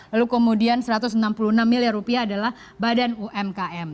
lalu kemudian satu ratus enam puluh enam miliar rupiah adalah badan umkm